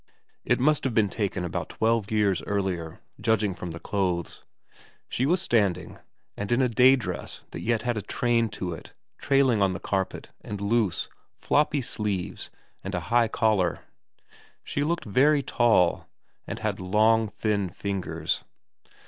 It must have been taken about twelve years earlier, judging from the clothes. She was standing, and in a day dress that yet had a train to it trailing on the carpet, and loose, floppy sleeves and a high collar. She looked very tall, and had long thin fingers.